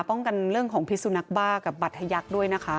ป้องกันเรื่องของพิสุนักบ้ากับบัตรทะยักษ์ด้วยนะคะ